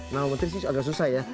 nama menteri sih agak susah ya